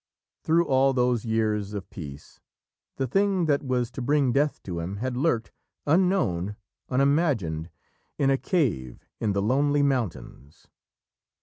" Through all those years of peace, the thing that was to bring death to him had lurked, unknown, unimagined, in a cave in the lonely mountains.